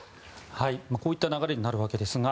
こうした流れになるわけですが。